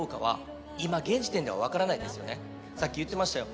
さっき言ってましたよ。